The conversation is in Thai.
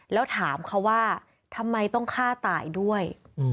แล้วถามเขาว่าทำไมต้องฆ่าตายด้วย